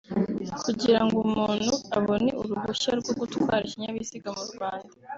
Kugira ngo umuntu abone uruhushya rwo gutwara ikinyabiziga mu Rwanda